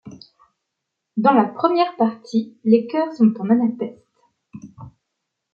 Dans la première partie, les chœurs sont en anapestes.